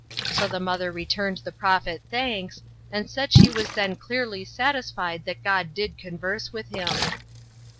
So the mother returned the prophet thanks, and said she was then clearly satisfied that God did converse with him.